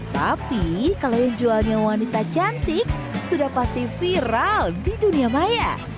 tapi kalau yang jualnya wanita cantik sudah pasti viral di dunia maya